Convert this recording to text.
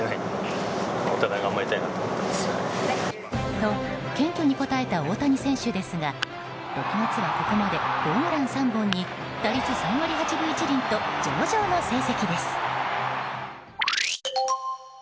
と謙虚に答えた大谷選手ですが６月はここまでホームラン３本に打率３割８分１厘と上場の成績です。